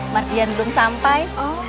mardian belum sampai